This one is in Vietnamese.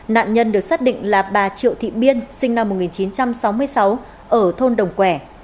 nạn nhân được xác định là bà triệu thị biên sinh năm một nghìn chín trăm sáu mươi sáu ở thôn đồng quẻ